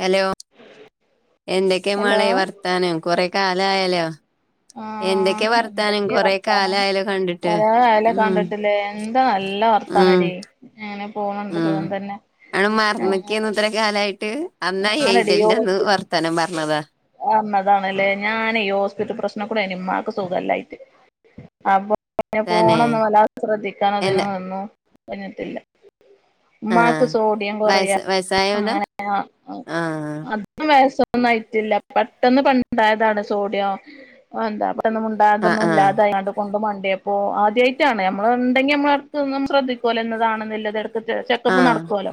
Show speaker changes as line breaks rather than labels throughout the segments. Hello? എന്തൊക്കെ
hello
മളെ വർത്താനം കൊറെ കാലയാലോ
ഉം എന്തൊക്കെ വർത്താനം
കണ്ടിട്ട്
കൊറേയാലോ
ഉം
കണ്ടിട്ടില്ലേ എന്താ നല്ല വർ [unintelligible]
ഉം
അങ്ങനെപോണിണ്ട്
ഉം
സുഖം തന്നെ
ആണ് മറന്നിക്കേന്ന് ഇത്ര കാലായിട്ട് അന്നാ ആ എയ്താൽന്റെ അന്ന് വർത്തനം പറഞ്ഞതാ
അന്നതണല്ലേ ഞാഞ്ഞെ ഹോസ്പിറ്റൽ പ്രശ്നകൂടെയ്‌ൻ മ്മാക്ക് സുഖലയിട്ട്. അപ്പോ പിന്നെ
തന്നെ
ഫോണെന്നും വല്ലാതെ ശ്രദ്ധിക്കാൻ അതിനോ
എന്റെ
ഒന്നും നിന്നിട്ടില്ല
ആ
മ്മാക്ക് സോഡിയം കൊറയാ
വയസ്സ് വയസ്സായവനാ
അങ്ങനെ
ആ
[unintelligible] [unintelligible]
ആ
മുണ്ടാട്ടൊന്നും
ആ
ഇല്ലാതായാണ്ട് കൊണ്ട് മണ്ടിയെപ്പോ ആദ്യയിട്ടാണ് നമ്മള് ണ്ടെങ്കി മ്മള് എടക്കൊക്കൊന്നു ശ്രദ്ധിക്കോലോ ഇന്നതാണ് ഇന്നതാണെന്നു ള്ളത്. ചെക്കപ്പ്
ആ
നടത്തോല്ലോ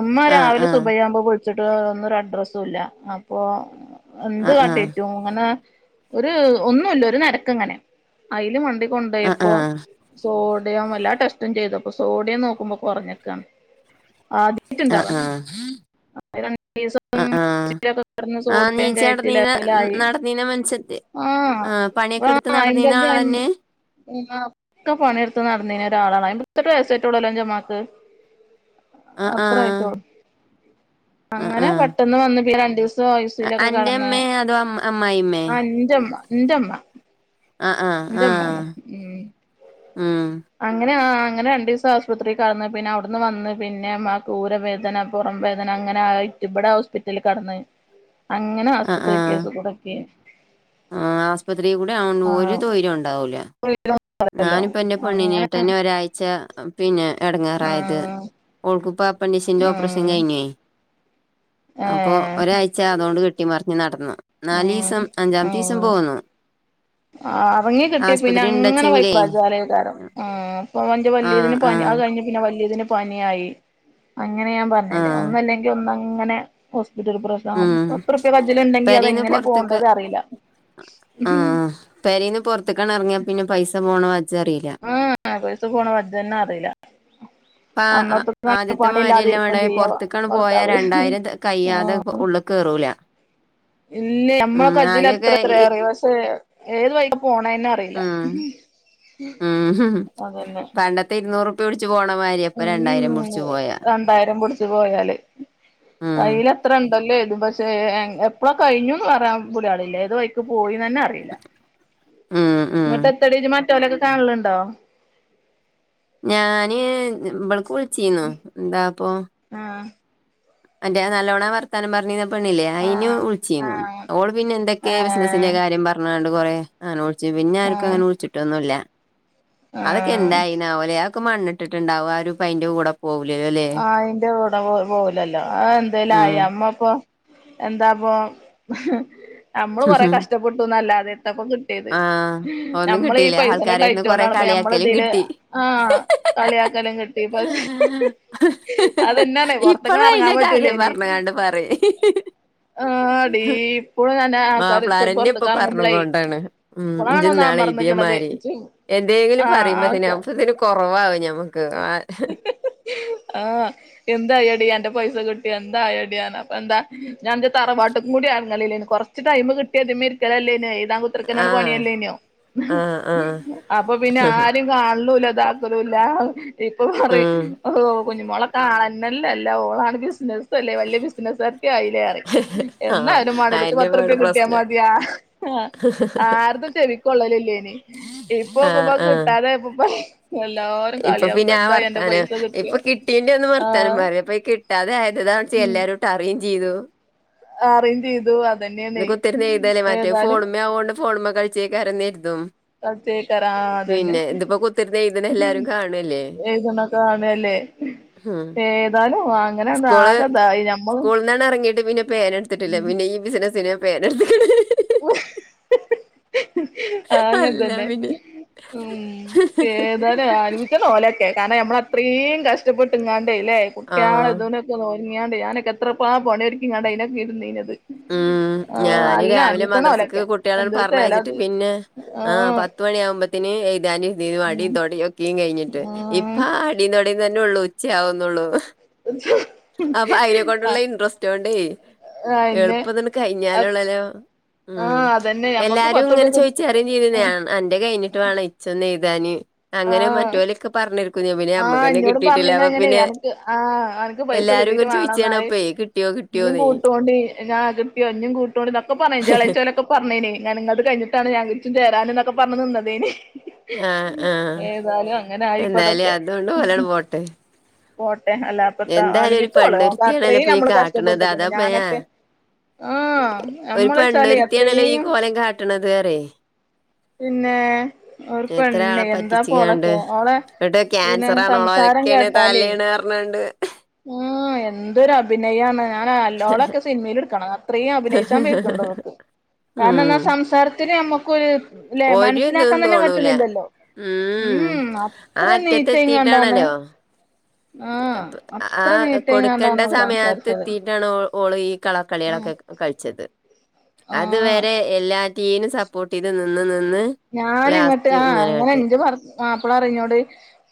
ഇമ്മ
ആ
രാവിലെ
ആ
സുഭയാവുമ്പോവുള്ച്ച വുള്ചിട്ടൊന്നു രഡ്രസ്സുംല്ല അപ്പൊ
ആ ആ
എന്ത് കാട്ടീ
ആ
ട്ടും ങ്ങനെ ഒര് ഒന്നൂല്ല ഒരു ന്നരക്കങ്ങനെ അയില് മണ്ടി
ആ ആ
കൊണ്ടോയപ്പോൊ. സോഡിയം എല്ലാ ടെസ്റ്റും ചെയ്തപ്പൊ സോഡിയം നോക്കുമ്പോ കുറഞ്ഞക്കാണ് ആദ്യ
ആ ആ ആ
[unintelligible] [unintelligible]
ആ
സോഡിയം
നീച്ച
കയറ്റി
നടന്നീന
ലെവലായി
നടന്നീന മനുഷ്യത്തി
ആഹ
ആ പണിയൊക്കെ എടുത്ത്
ആഹ്
നടന്നീന
ഇന്റതും
ആളന്നെ
[unintelligible] ക്കെ പണിയെടുത്ത് നടന്നിന ഒരാളാണ് അയിമ്പതെട്ട് വസായിട്ടള്ളല്ലോ ഇന്റമ്മാക്ക്
ആ ആ
അത്രയിട്ടോള്ളു
ആ
അങ്ങനെ
ആ
പെട്ടെന്ന് വന്ന് പിന്നെ രണ്ടു ദിവസം. ഐ സി യു ലൊക്കെ
അന്റെ
കെടന്ന്
അമ്മേ അതോ അമ്മ അമ്മായിമ്മേ
ആ എന്റെമ്മ എന്റെമ്മ.
ആ ആഹ ആഹ
ഉം
ഉം
അങ്ങനെ ആ അങ്ങനെ രണ്ടു ദിവസം ആശുപത്രിയിൽ കെടന്ന് പിന്നെ അവിടുന്ന് വന്ന് പിന്നെ ആ ഊരവേദന പുറം വേദന അങ്ങനെ ആ ഇവിടെ ഹോസ്പിറ്റലിൽ കടന്ന്. അങ്ങനെ ആസ്പത്രി കേസ് കുടുക്കി
ആസ്പത്രിയികൂടെ [unintelligible] ഒരു തോയ്ര്യം ഉണ്ടാവൂല
[unintelligible]
പൊണ്ണിനായിട്ടെന്നേ ഒരാഴ്ച പിന്നെ എട്ങ്ങെറായത്
ആഹ്
ഓൾക്ക് ഇപ്പ അപ്പൻഡിഷിന്റെ ഓപ്പർഷൻ
ആഹ്
കഴിഞ്ഞെ അപ്പോ
ഏഹ്
ഒരാഴ് ച്ച അദൊണ്ട് കെട്ടിമർഞ് നട്ന്നു
ഉം
നാലീസം അഞ്ചാമത്തെ ദീസം പോന്നു
ആ അർങ്ങി കിട്ടിയ
ആസ്പത്രി
പിന്നെങ് അങ്ങനെ
ഇണ്ടച്ചെങ്കിലേ
വൈക്ക ആചാരെക്കാരം ഉം ഇപ്പം ഓന്റെ
ആഹ്
വല്യതിന് പനി
ആഹ്
അത് കഴിഞ്ഞ് പിന്നെ വല്യതിന് പനിയായി അങ്ങനെ ഞാൻ പർഞ്ഞല്ലേ
ആഹ്
ഒന്നല്ലെങ്കി ഒന്നഅങ്ങനെ ഹോസ്പിറ്റൽ പ്ര ആഹ്
ഉം
പത്തുർപ്യ കജ്ജില് ഇണ്ടെങ്കി
പെരീന്ന്
അതെങ്ങനെ
പൊറത്ത്ക്ക്
പോണ്ടത് അറീല
ആഹ് പെരീന്ന് പൊർത്ത്ക്കാണ്ട് ഏർങ്ങിയാ പിന്നെ പൈസ പോണ വജ്ജറീല
ആ പൈസ പോണ വജ്ജന്നെ അറീല
ആ ആദ്യത്തെമാര്യല്ല ബളെ
ചെയ്യാ
പൊർത്ത്ക്കാണ്ട് പോയാ
ഭർത്താവ്
രണ്ടായിരം കയ്യാതെ ഉള്ള് കേറൂല
ഇല്ലയ് നമ്മള
ഉം
കജ്ജില്
ആദ്യമൊക്കെ ഈ-
[unintelligible] ഏത് വൈക്കാ പോണന്നെ അറീല
ഉം [unintelligible] പണ്ടത്തെ ഇരുന്നൂറ് പിടിച്ച് പോണ മാതിരിയാ ഇപ്പൊ രണ്ടായിരം പിടിച്ച് പോയാ
രണ്ടായിരം പുട്ച്ച് പോയാല്
ഉം
കയ്യില് അത്ര ഉണ്ടല്ലോ കര്തും പക്ഷേ എപ്പളാ കഴിഞ്ഞുന്നു പറയാൻ പുടിയാടില്ല ഏത് വൈ പോയിന്നന്നെ അറീല
ഉം ഉം
ന്നട്ട് എത്തടീ ഇജ്ജ് മറ്റോലൊക്കെ കാണൽണ്ടോ
ഞാന് ഇബൾക്ക് വിൾചീന്നു എന്താപ്പൊ
ആഹ്
അന്റെ നല്ലോണം വർത്താനം പർഞീ പെണ്ണില്ലേ അഴിന്
ആഹ്
വിൾചീന്നു ഓള് പിന്നെ എന്തൊക്കെ
ആഹ്
ബിസിനസിന്റെ കാര്യം പർഞാണ്ട് കൊറെ ലോൾച്ചി പിന്നെ ആർക്കും
ആഹ്
അങ്ങനെ വിളിച്ചിട്ടൊന്നുല്ല അതൊക്കെ
ആഹ്
എന്തായിനാവൊ ലെ അക്കെ മണ്ണിട്ടിട്ടുണ്ടാവും ആരുപ്പം അയിന്റെ കൂടെ പോവൂലല്ലോ ലെ
അയിന്റെ കൂടെ പോ പോവൂലല്ലോ അ എന്തേലും ആയ
ഉം
അമ്മപ്പൊ എന്താപ്പൊ നമ്മള് കൊറെ കഷ്ടപ്പെട്ടുന്നല്ലാതെ എത്തപ്പം കി ട്ടിയത്
ആഹ് ഒന്നും
നമ്മളീ
കിട്ടിയില്ല
പൈസന്റെ
ആൾക്കാരെന്ന്
ടൈറ്റോണ്ട്
കൊറെ
ആണ് ഇപ്പം നമ്മള്
കളിയാക്കലും
ഇതില്
കിട്ടി
ആ കളിയാക്കലും കിട്ടിപ്പ
ഇപ്പളും
എറങ്ങാൻ
അയിന്റെ കാര്യം
പറ്റൂലേനി
പറഞ്ക്കാണ്ട് പറിം
ആടീ ഇപ്പളും ഞാൻ ആൾക്കാര്
മാപ്പളാരെന്നെ ഇപ്പൊ
പൊറത്ത്ക്ക്
പർഞ്
എറങ്ങുമ്പളേ
കൊണ്ടാണ് ഉം
ഇപ്പളാണ്
ഇജ്ജ്
ഒന്ന്
ഇന്നാൾ
അമർന്ന്ക്കണത്
എയ്തിയമാഴിരി എന്തെങ്കിലും
ആഹ്
പറയുമ്പോത്തിന്
ആൾക്കാ
മ്പോത്തിന് കൊർവാവും ഞമ്മക്
ആഹ് എന്തായടി അന്റെ പൈസ കിട്ടിയോ എന്തായടി അപ്പൊ എന്താ ഞാൻ ഇന്റെ തറവാട്ട്ക്കും കൂടി ഏർങ്ങല്ല്ലേനി കൊർ ച്ച് ടൈമ് കിട്ടിയ ഇതിമ്മൽ ഇരിക്കലെല്ലെനിയോ എഴുതാൻ കു ത്തർക്ക്ണ
ആഹ്
പണിയല്ലേനിയോ
ആഹ് ആഹ്
അപ്പൊ പിന്നെ ആരിം കാൺലുല്ലാ ദാക്കലുല്ല ഇപ്പൊ പറിം
ഉം
ഒവ് കുഞ്ഞുമോളെ കാണന്നല്ലല്ല ഓളാണ് ബിസ്നസ്സ് ല്ലേ വല്യ ബിസ്നസ്കാര്ത്തി ആയിലെ പറിം
ആഹ്
എന്നായാലും മാണ്ടില്ല ഇച്ച്
അയന്നെ
പത്തുർപ്യ
ഇപ്പവടെ
കിട്ടിയാ
പ്രശ്നം
മതി ആഹ് ആ ആര്തും ചെവിക്കൊള്ളലില്ലെനി
ആഹ്
ഇപ്പൊക്കുമ്പോ
ആഹ്
കിട്ടാതായപ്പം എല്ലാരും കളിയാ
ഞാ വർത്താനാ ഇപ്പൊ കിട്ടീന്റെ ഒന്നും വർത്താനം
ആഹ്
പറയും അപ്പൊ ഈ കിട്ടാതെ ആയ്തതാ വെച്ച് എല്ലാരും ട്ടറീഞ്ചീതു
ആറീഞ്ചീതു
അത് കുത്തര്ന്ന് എയ്താല്ലേ മാറ്റേ ഫോണുമ്മേ ആവോണ്ട് ഫോണുമ്മെ കൾച്ചേക്കാരം കര്തും
തോട്കേക്കാരം ആഹ് അതന്നെ
കുത്തിരുന്ന് എഴുതണ
ഉം
എല്ലാരും കാണുവല്ലേ
എയ്തിണതാണ് അല്ലേ
ഹും
ന്നാലും വാ
സ്കൂള് സ്കൂൾന്നാണ് അറങ്ങീട്ട് പിന്നെ പേന എട്ത്തിട്ടില്ല പിന്നെ ഈ ബിസിനസ്സിന് പേരൊട്ത്തിക്കിണ്
മ്മ്! ആഹ്
അല്ല
അങ്ങൻതന്നെ
പിന്നെ
ഉം ഏതാലേ ആൽ ഓല്യൊക്കെ കാര്ണം അമ്മളത്രീം കഷ്ടപ്പെട്ടിങ്ങാണ്ടേ ഇല്ലേ
ആ
കുട്ട്ളതിനു ഒര്ങ്ങ്യാണ്ടെ ഞാനക്കെത്രൾപാ പോണിയൊര്
ഉം
ആഹ്
ഞാന്
അല്ല
രാവിലെ
അനുഭവിക്കണം
മദ്രസക്ക്
ഓലൊക്കെ
കുട്ടികളെ
എന്തൊരു
പറഞ്ഞ്
ചേലാ
അയച്ചിട്ട്
അത്
പിന്നെ ആഹാ
ആഹ്
പത്ത് മണിയാകുമ്പെഴത്തെ പിന്നെ എയ്താനു ഇതിനു അടി
ഉം
തൊടി ഒക്കീ കയ്ഞ്ഞിട്ട്
ഉം
ഇപ്പാ അടിന്തൊടിം തെന്നൊള്ളു ഉച്ച്യാവുന്നൊള്ളൂ
അ
അപ്പയ്നെക്കൊണ്ടുള്ള ഇൻട്രസ്റ്റോണ്ടേയ്
അന്നെ
എളുപ്പം ഇത് കഴിഞ്ഞാല് ഉള്ളല്ലോ! ഉം
ആഹ് അതന്നെ ഞമ്മക്ക്
എല്ലാരും
പത്തുർപ്യ
ഇങ്ങനെ
കി
ചോയ്ച്ചറിം
ആഹ്
ചെയ്യും അന്റെ കഴിഞ്ഞിട്ട് വാണം ചെന്നെയ്താന് അങ്ങനെ
ആഹ്
മറ്റു ഒരൊക്കെ പറഞ്ഞ് കുഞ്ഞേ പിന്നെ അമ്മക്ക്
ആഹ്
തന്നെ
ഇന്നോടും
കിട്ടിട്ടില്ല
പറഞ്ഞീന്
അപ്പൊ
അങ്ങനെ
പിന്നെ
അനക്ക് ആഹ്
എല്ലാരുങ്ങനെ ചോയ്ച്ചാണ് അപ്പേ കിട്ടി
ഇഞിം കൂട്ടോണ്ടി ഞാൻ കിട്ട്യോ ഇഞും കൂട്ടോണ്ടിന്നൊക്കെ പർഞീനി ഇന്റെ എളേച്ച്യാ ന്നൊക്കെ പറഞ്ഞേനേ ങ്ങളന്ത് കഴിഞ്ഞട്ടാണ് ഞാൻ ഇച്ചും ചേരാൻ ന്നൊക്കെ പറഞ് നിന്നതേന് [unintelligible]
ആഹ് ആഹ്
ആയി ഇപ്പ
എന്താലെ
അതൊക്കെ
അതോണ്ട് ഓലണ് പോട്ടെ
പോട്ടെ അല്ലാപ്പത്താ
എന്തായാലും ഒരു
അൻബച്ചോള്
പെണ്ണൊരുത്തിയാണല്ലോ
ഓകത്രീം
ഇപ്പൊ ഈ
നമ്മള്
കാട്ടണത്
കഷ്ടപ്പെട്ടിക്കിണ്
അതാപ്പ ഞാ
ഞാനൊക്കെ ആഹ് ഞമ്മള്ച്ചാലേ അത്രീം
ട്ടിണത് അറെയ്
പിന്നേ ഒരു പെണ്ണെയ് എന്താപ്പോളക്കെ ഓളെ
ഇന്നിട്ട്
പിന്നെ
ക്യാൻസറാണ്
സംസാരം
ഓളൊലക്ക്യാണ് തലേണ് അർണാണ്ട്
ആഹാ എന്തൊരു അഭിനയയാണ് ആഹ് അല്ലോളൊക്കെ സിൻമീലിട്ക്കണം അത്രീം അഭിനയിച്ചാൻ വെയ്ക്കിണ്ട് ഓക്ക് കാര്ണന്നാ സംസാരത്തില് നമ്മക്കൊര്
ഇരിതും തോണൂലാ ഉം ആഹ്
അത്ര നീറ്റെങ്ങാണ്ടാണ്
അറ്റത്തെത്തീട്ടാണലൊ
ആഹ്
അപ് ആ
അത്ര
കൊടുക്കേണ്ട
നീറ്റെങ്ങാണ്ടാണ് ഓള്
സമയത്ത്
സംസാരിച്ചത്
എത്തി ട്ടാണ് ഒ ഓള് ഈ
ഉം
കള്ളകളിയാളൊക്കെ കൾച്ചത് അത്
ആഹ്
വരെ എല്ലാറ്റീനും സപ്പോർട്ടെയ്ത് നിന്ന് നിന്ന്
ഞാൻ ഇങ്ങട്ട്
ലാസ്റ്റ്
ആഹ്
ഇങ്ങനെ
അങ്ങനെ
കാട്ടി
അഞ്ച് പറസ് ഇപ്പള അറിഞ്ഞോട്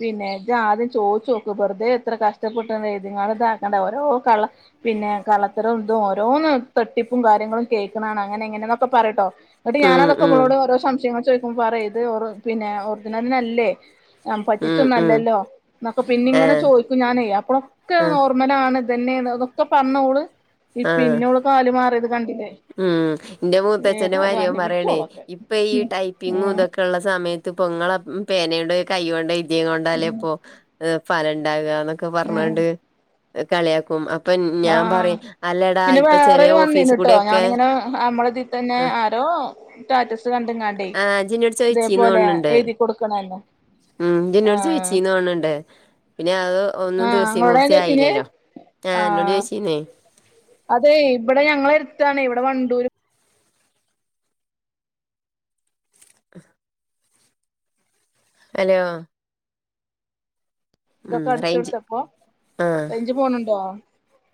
പിന്നെ ഇജ്ജാദ്യം ചോയ്ചോക്ക് വെറ്തെ ഇത്ര കഷ്ടപ്പെട്ടാണ് എയ്തിങ്ങാണ് ഇതാക്കണ്ട ഓരോ കള്ള പിന്നെ കള്ളത്തരോം ഇതും ഓരോന്നും തട്ടിപ്പും കാര്യങ്ങളും കേക്കിണാണ് അങ്ങനെ ഇങ്ങനെന്നൊക്കെ പറീട്ടൊ ഇന്നിട്ട്
ഉം
ഞാനതൊക്കെ
ഉം
ഇങ്ങളോട് ഓരോ ശംശയങ്ങൾ ചോയ്ക്കുമ്പോ പറയ് ഇത് ഒറ് പിന്നെ ഒർജിനൽനല്ലേ ഞാൻ
ഉം ഉം
പറ്റിച്ചൊന്നല്ലല്ലോ ന്നൊക്കെ പിന്നിങ്ങനെ
ആഹ്
ചോയ്ക്കും ഞാനേയ് അപ്പൊക്കെ
ആഹ്
നോർമലാണ് ഇതെന്നേണ് അതൊക്കെ പർഞ്ഞോള് ഇ
ആഹ്
പിന്നോള് കാല് മാറ്യേത് കണ്ടിലേ
ഉം ഇന്റെ മൂത്ത അച്ഛന്റെ ളര്യോം പറ്യാണേ
അനുഭവിച്ചോളൊക്കെ
ഇപ്പ ഈ
ഉം
ടൈപ്പിംങ്ങു
ഉം
ഇതൊക് ള്ള സമയത്ത് പൊങ്ങള പേനേണ്ട് കൈയ്യോണ്ട് എയ്ത്യേങ്ങോണ്ട് ആലേപ്പൊ ഫലണ്ടാക എന്നൊക്കെ
ഉം
പർണാണ്ട് ഏഹ് കളിയാക്കും അ ഇപ്പെ ഞാൻ
ആഹ്
പറയും അല്ലടാ ഇപ്പെ ചെറിയ ഓഫീസികൂടെ
ങ്ങനെ അമ്മളെതീ തന്നെ ആരോ റ്റാറ്റസ് കണ്ട്ങ്ങാണ്ടേ
ആഹ് ഇജ്ജ് ഇന്നോട് ചോയിച്ചീന്ന്
ഇതേപോലെ
തോന്ന്ണ്ട്
എയ്തി കൊടുക്കണല്ലോ
ഉം ജ്ജ്ന്നോട്
ആഹ്
ചോഴിച്ചീന്ന് തോൺണ് ണ്ട് പിന്നെ അത് ഒന്നും
ആഹ് ഇങ്ങളോടാ ഞാൻ
[unintelligible]
ചോയിച്ചീന്
ആയില്ല്യല്ലോ ആ ഇന്നോട്
ആഹ്
ചോയ്ചീന്ന്
അതെ ഇവട ഞങ്ങള അര്ത്താണ് ഇവടെ വണ്ടൂര്
ഹലോ ഉം
ഇതൊക്കെ അട്ച്ച്
റേഞ്ച്
കൊട്ത്തപ്പോ റേഞ്ച് പോണ് ണ്ടോ?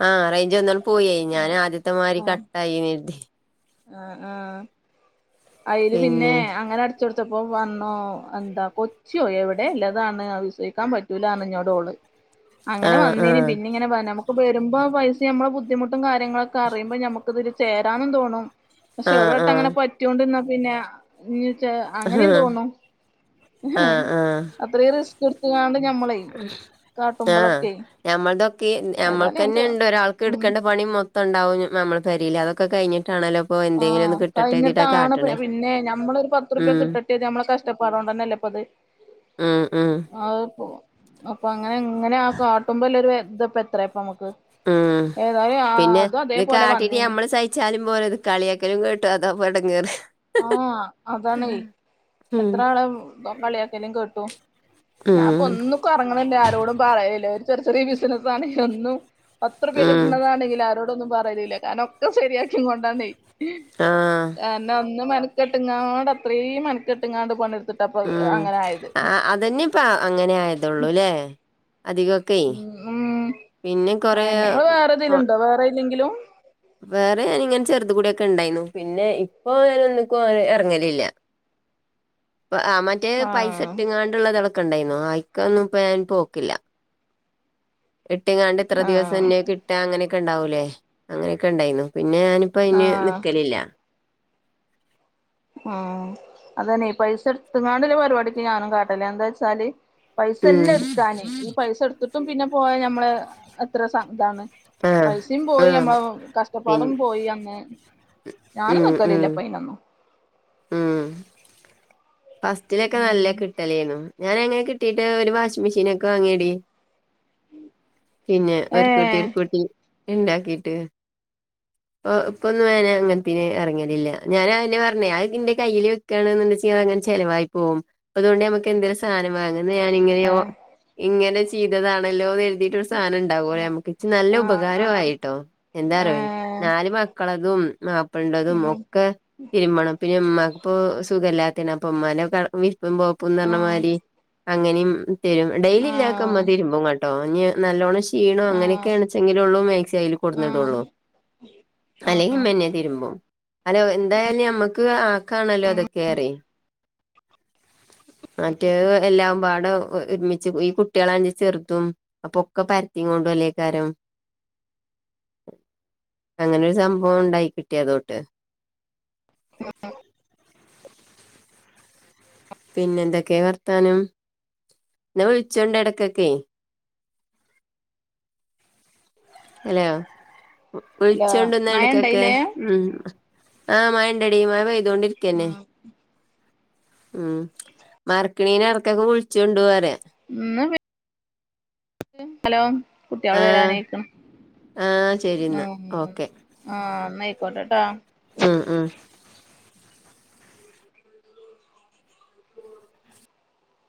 ആഹ് റേഞ്ച് വന്ന്ങ്ങട്ട് പോയേ ഞാൻ ആദ്യത്തെ മാരി കട്ടായീനി കർതി
ആഹ് ആഹ് അയ്ല് പിന്നെ അങ്ങനെട് അട്ച്ച് കൊട്തപ്പോ വന്നൂ എന്താ കൊച്ചോ എവിടെ ഇല്ലതാണ് അപ്പ വി ഷേ സിക്കാൻ പറ്റൂല പർഞ്ഞു ഇഞ്ഞോടോള്
ആ
അങ്ങനെ
ആ
വന്നീനി പിന്നിങ്ങനെ നമുക്ക് വെരുമ്പോ പൈസ് നമ്മളെ ബുദ്ധിമുട്ടും കാര്യങ്ങളൊക്കെ അറിയുമ്പ നമുക്ക് ഇതില് ചേരാനും തോന്നും. പക്ഷെ
ആ
ഒരു
ആ
വട്ടം അങ്ങനെ
ആ
പറ്റൊണ്ടിന്നാ പിന്നെ [unintelligible] ച്ച അങ്ങനിം തോന്നും
ആ ആ
അത്രിം റിസ്ക് ഇട്ത്ത്ങ്ങാണ്ട് ഞമ്മളെ കാട്ടുമ്പൊളൊക്കെ
ഞമ്മൾടെക്കെ ഞമ്മക്ക് തന്നെണ്ട് ഒരാൾക്ക്
ഉം
എട്ക്കേണ്ട പണി മൊ [unintelligible] ണ്ടാവും നമ്മളെ പെരീൽ അതൊക്കെ കഴിഞ്ഞിട്ടാണല്ലോ ഇപ്പൊ എന്തെങ്കിലും
ആഹ്
ഒന്ന് കിട്ടട്ടെ എഴുതിട്ടാ
കഴിഞ്ഞിട്ടാണ് പ്
കാട്ടണേ
പിന്നെ ഞമ്മള് ഒരു പത്തുർപ്യ
ഉം
കിട്ടട്ടെർതി നമ്മളെ കഷ്ടപ്പാടോണ്ടന്നെല്ലേ ഇപ്പത്
ഉം ഉം
ആഹ് പ്പോ അപ്പൊ അങ്ങനെ ഇങ്ങനെ ആ കാട്ടുമ്പോ ഇല്ല ഒരുതപ്പ എത്ര ഇപ്പ നമ്മക്ക്
ആഹ് പിന്നെ ഇത്
അതേപോലെ
കാട്ടീട്ട്
വന്നീനി
നമ്മള് സഹി ച്ചാലും പോര ഇത് കളിയാക്കലും കേട്ടു അതാപ്പ എടങ്ങേറ്
ആഹ് അതാണെ
ഉം
എത്രാനാളായികളിയാക്കലും കേട്ടു. ഞാൻപ്പൊ
ഉം
ഒന്നുക്കും അർങ്ങ്ണ്ല്ല ആരോടും പറയല് ല്ല ഒരു ചെറ് ചെറിയേ കേസ്നിപ്പം ആണെ ഒന്നും പത്ത്റുപ്യ
ഉം
കിട്ട്ണതാണെങ്കിലും ആരോടൊന്നും പറയലില്ല കാരണം ഒക്കെ ശരിയാക്കി കൊണ്ടാണെ
ആഹ്
ആഹ് എന്നാ ഒന്ന് മെനക്കെട്ടിങ്ങാണ്ട് അത്രീം മെനക്കെട്ടിങ്ങാണ്ട് പണിട് ത്തപ്പ അങ്ങനായത്
അതന്നേ മ് ഇപ്പ അങ്ങനെ ആയതൊള്ളൂല്ലേ അധികം ക്കെ
ഉം ഉം
പിന്നിം കൊറേ
ആഹ് നിങ്ങള് വേറെതിലുണ്ടോ വേറെ ഇല്ലെങ്കിലും
വേറെ ഇങ്ങനെ ചെർതും കൂടെയൊക്കെ ഇണ്ടായിന്നു പിന്നെ ഇപ്പൊ ഒന്നിക്കും എർങ്ങലില്ല. പ്പ ആമൻ മറ്റേ പൈസ
ആഹ്
ഇട്ടിങ്ങാണ്ടുള്ള തെക്കുണ്ടായിരുന്നു അയ്ക്കൊന്നും ഇപ്പ ഞാൻ പോക്കില്ല ഇട്ടിങ്ങാണ്ട് ഇത്ര ദിവസം
ആഹ്
തന്നെ കിട്ടാ അങ്ങനെയൊക്കെ ഇണ്ടാവൂലേ അങ്ങനെയൊക്കെ ഇണ്ടായിന്നു പിന്നെ ഞാനിപ്പോ അയ്ന്
ആഹ്
നിക്കലില്ല.
ആഹ് അതന്നെ ഈ പൈസ ഇട്ട്ങ്ങാണ്ട് ല്ലെ പരിപാടിക്ക് ഞാനും കാട്ടല്ല എന്താച്ചാല് പൈസ
ഉം
ഇല്ല ഇട്ക്കാന് ഈ പൈസ ഇട്ത്തിട്ടും പിന്നെ പോയാ ഞമ്മള് എത്ര സ ഇതാണ്
ആഹ്
പൈസിം പോയി
ആഹ്
നമ്മളെ
പിൻ
കഷ്ടപ്പാടും പോയി അന്ന് ഞാനും നിക്കലില്ല ഇപ്പ അയ്നൊന്നും
ആഹ് ഫസ്റ്റിലൊക്കെ നല്ല
ഉം
കിട്ടലേന്നു ഞാനങ്ങനെ കിട്ടീട്ട് ഒരു വാഷിംഗ് മെഷീനൊക്കെ വാങ്ങിയടി പിന്നെ ഒർകൂട്ടി
ഏഹ്
ഒർകൂട്ടി ഇണ്ടാക്കീട്ട് ഇപ്പൊന്നും ങ്ങനെ അങ്ങൻത്തീല് എർങ്ങേലില്ല. ഞാനാ അയന്നെ പർന്നെ അയൊക്കെ ഇന്റെ കയ്യില് വെക്കാണ് ണ്ടെച്ചെങ്കിൽ അയങ്ങനെ ചെലവായി പോകും അപ്പ അതോണ്ട് നമുക്ക് എന്തെലും സാനം വാങ്ങണം ഞാന് ഇങ്ങനെയോ ഇങ്ങനെ ചെയ്തതാണല്ലോന്ന് കർതീട്ടൊരു സാനം ഇണ്ടാകല്ലൊ നമ്മക്ക് ഇച്ച് നല്ല
ആഹ്
ഉപകാര
ആഹ്
ആയിട്ടോ എന്താറിയോ
ഏഹ്
നാല് മക്കളതും മാപ്പള്ന്റതും
ഉം
ഒക്കെ തിർമ്പണം പിന്നെ ഇമ്മാക്ക് ഇപ്പോ സുഖല്ലാത്തെണ് അപ്പൊ ഉമ്മാനെക്കെ മി വിർപ്പും, പോത്പ്പുംന്ന്
ആഹ്
പർഞ്ഞമാരി അങ്ങനേം തരും ഡേയ്ലിലൊക്കെ ഉമ്മ
ആഹ്
തിർമ്പുങ്ങൾ ട്ടോ ഞ്ഞി നല്ലോണം ഷീണോം
ആഹ്
അങ്ങനൊക്കെയാൺചെങ്കിലുള്ളു മാക്സി അയ്ല് കൊട്ന്നിടൊള്ളു.
ആഹ്
അല്ലെങ്കിമ്മന്നെ തിരുമ്പും അല്ല എന്തായലും ഞമ്മക്ക് ആക്കാണല്ലോ ഇതൊക്കെറിയെ മറ്റേത് എല്ലാംപാടും ഒ ഒർമിച്ച് ഈ കുട്ട്യളാണെങ്കി ചെർതും അപ്പൊ ഒക്കെ പർത്തി കൊണ്ടല്ലേക്കാരം അങ്ങനൊരു സംഭവണ്ടായികിട്ടി അതോട്ടെ
[unintelligible]
പിന്നെ എന്തൊക്കെ വർത്താനം, ന്നാ വിളിച്ചോൾണ്ട് എടക്കൊക്കെയ്. ഹലോ
ഹലോ
വിളിച്ചോണ്ടുന്ന
മഴ
എടക്കൊക്കെ
ഇണ്ടായില്ലേ
ഉംഹ് ആ മയെണ്ടെടി മയ പെയിതോണ്ടി രിക്കന്നെ.
ഉം
ഉംഹ് മറക്കണേന് എടക്കൊക്കെ വിളിച്ചോണ്ടുറയ.
[unintelligible] ഹലോ കുട്ട്യള്
ആഹ്
വരാനായിക്ക്ണ്
ആഹ് ശരി
ഹ്
ന്നാ
ഹമ്.
ഓക്കെ
ആഹ് എന്നായിക്കൊട്ടെ ട്ട
ആഹ്.. ആഹ്